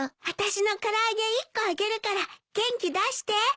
あたしの唐揚げ１個あげるから元気出して。